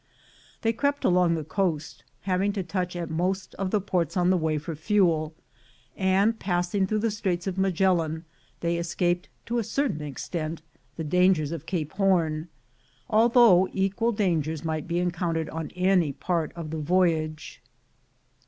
They crept along the coast, having to touch at most of the ports on the way for fuel; and passing through the Straits of Magellan, they escaped to a certain extent the dangers of Cape Horn, although equal dangers might be encountered on any part of the voyage.